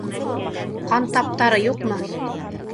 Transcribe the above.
Ҡан таптары юҡмы?